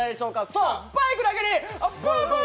そう、バイクだけにブーブー。